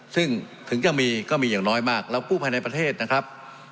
ซึ่งถึงจะมีก็มีอย่างน้อยมากเรากู้ภายในประเทศนะครับ